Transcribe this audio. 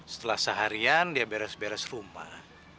setelah seharian dia beres beres rumah